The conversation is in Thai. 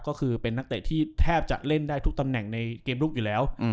ก็คือเป็นนักเตะที่แทบจะเล่นได้ทุกตำแหน่งในเกมลุกอยู่แล้ว